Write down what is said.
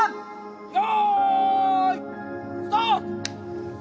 よいスタート！